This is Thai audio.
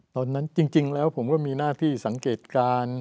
ตอนนั้นจริงแล้วผมก็มีหน้าที่สังเกตการณ์